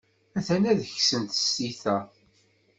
Atent-a ksant tsita.